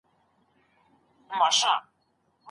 حیات الله په خپل ژوند کې ډېر کار کړی دی.